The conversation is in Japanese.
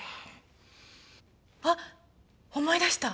あっ思い出した！